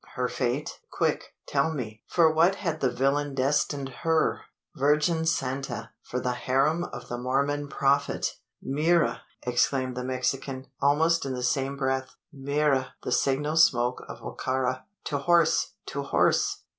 "Her fate? Quick tell me! for what had the villain destined her?" "Virgen Santa! for the harem of the Mormon prophet!" "Mira!" exclaimed the Mexican, almost in the same breath "Mira! the signal smoke of Wa ka ra! To horse! to horse!